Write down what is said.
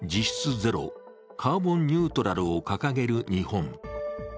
ゼロ、カーボンニュートラルを掲げる日本。